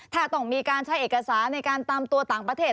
ถ้าต้องมีการใช้เอกสารในการตามตัวต่างประเทศ